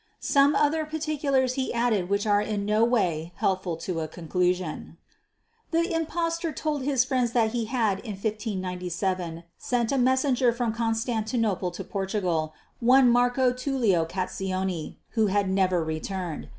Some other particulars he added which are in no way helpful to a conclusion. The Impostor told his friends that he had in 1597, sent a messenger from Constantinople to Portugal one Marco Tullio Catizzone who had never returned.